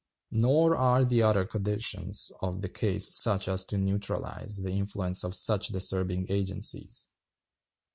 Nor are the other conditions of the case such as to neutralize the influence of such disturbing agencies.